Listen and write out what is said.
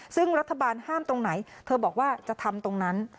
ซึ่งรัฐบาลห้ามตรงไหนเธอบอกว่าจะทำตรงนั้น